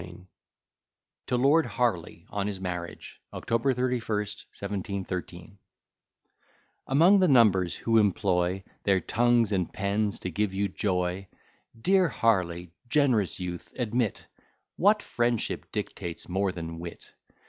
B._] TO LORD HARLEY, ON HIS MARRIAGE OCTOBER 31, 1713 Among the numbers who employ Their tongues and pens to give you joy, Dear Harley! generous youth, admit What friendship dictates more than wit.